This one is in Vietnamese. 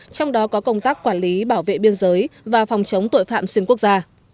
trong đó có công tác quản lý bảo vệ biên giới và phòng chống tội phạm xuyên quốc gia